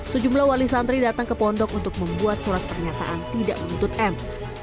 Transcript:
sejumlah wali santri datang ke pondok untuk membuat surat pernyataan tidak menuntut m